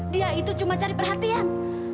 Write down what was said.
dia itu cuma cari perhatian